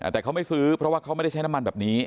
แต่เขาไม่ซื้อเพราะว่าเขาไม่ได้ใช้น้ำมันแบบนี้